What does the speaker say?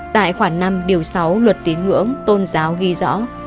tại khoản năm điều sáu luật tín ngưỡng tôn giáo ghi rõ